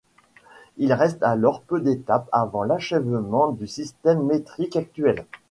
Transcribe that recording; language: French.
Il reste alors peu d'étapes avant l'achèvement du système métrique actuel.